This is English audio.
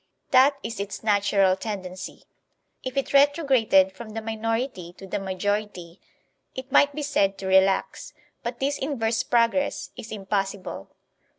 That is its natural tendency. If it retrograded from the minority to the majority, it might be said to relax; but this inverse progress is impossible.